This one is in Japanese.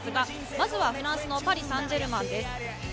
まずはフランスのパリ・サンジェルマンです。